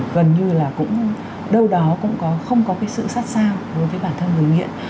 gần như là cũng đâu đó cũng không có cái sự sát sao đối với bản thân người nghiện